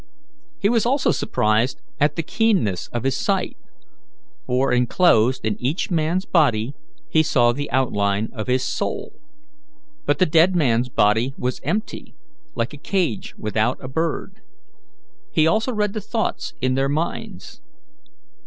He was also surprised at the keenness of his sight; for, inclosed in each man's body, he saw the outline of his soul. But the dead man's body was empty, like a cage without a bird. He also read the thoughts in their minds.